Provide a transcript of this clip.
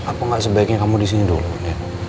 apa nggak sebaiknya kamu di sini dulu ya